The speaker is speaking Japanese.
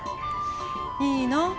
いいの？